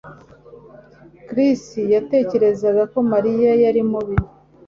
Chris yatekerezaga ko Mariya yari mubi